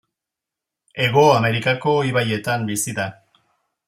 Hego Amerikako ibaietan bizi da.